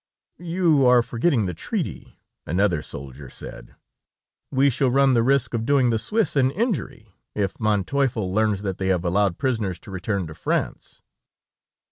"You are forgetting the treaty," another soldier said; "we shall run the risk of doing the Swiss an injury, if Manteuffel learns that they have allowed prisoners to return to France."